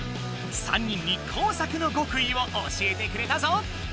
３人に工作の極意を教えてくれたぞ！